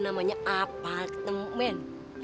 namanya apa ketemu men